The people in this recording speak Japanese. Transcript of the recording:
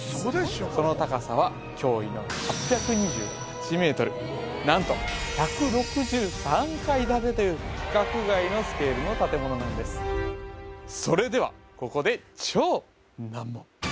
その高さは驚異の８２８ｍ何と１６３階建てという規格外のスケールの建物なんですそれでは